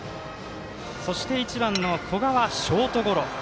そして、１番の古賀ショートゴロ。